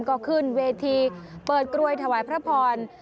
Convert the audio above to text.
ก็ขึ้นเวทีเปิดกลวยถวายพระพร